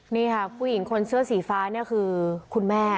นี่ค่ะผู้หญิงคนเสื้อสีฟ้านี่คือคุณแม่